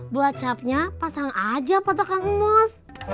buat capnya pasang aja patok kang emus